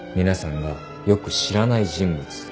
皆さんがよく知らない人物。